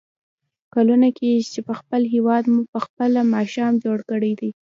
کلونه کېږي چې په خپل هېواد مو په خپله ماښام جوړ کړی دی.